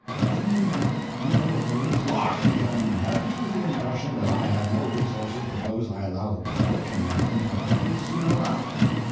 Do you mean that you know a way to—" "Washington, have you the impression that I have no resources but those I allow the public and my intimate friends to know about?"